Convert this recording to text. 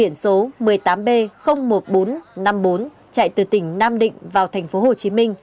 năm bốn chạy từ tỉnh nam định vào thành phố hồ chí minh